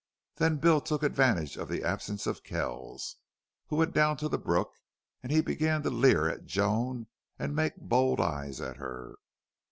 Then Bill took advantage of the absence of Kells, who went down to the brook, and he began to leer at Joan and make bold eyes at her.